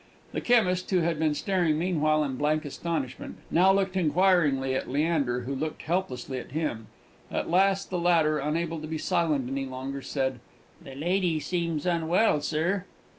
The chemist, who had been staring meanwhile in blank astonishment, now looked inquiringly at Leander, who looked helplessly at him. At last the latter, unable to be silent any longer, said, "The lady seems unwell, sir."